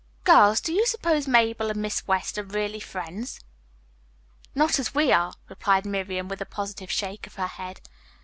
"Girls, do you suppose Mabel and Miss West are really friends?" "Not as we are," replied Miriam, with a positive shake of her head.